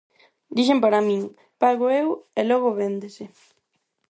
Dixen para min, págoo eu e logo véndese.